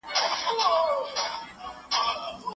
بهرنیو سفارتونو د ښځو له پروژو ملاتړ کاوه.